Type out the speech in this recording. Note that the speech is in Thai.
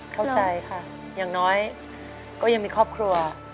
เข้าใจค่ะอย่างน้อยก็ยังมีครอบครัว